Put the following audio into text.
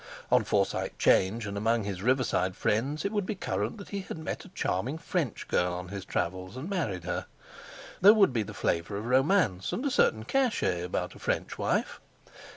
On Forsyte 'Change and among his riverside friends it would be current that he had met a charming French girl on his travels and married her. There would be the flavour of romance, and a certain cachet about a French wife.